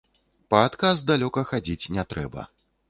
Па адказ далёка хадзіць не трэба.